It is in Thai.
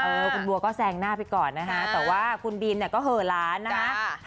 คุณบัวก็แซงหน้าไปก่อนนะฮะแต่ว่าคุณบินเนี่ยก็เหอะล้านนะ